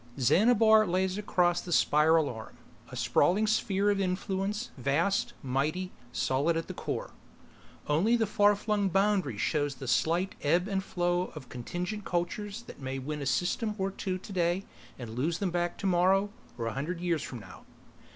_ Xanabar lays across the Spiral Arm, a sprawling sphere of influence vast, mighty, solid at the core. Only the far flung boundary shows the slight ebb and flow of contingent cultures that may win a system or two today and lose them back tomorrow or a hundred years from now.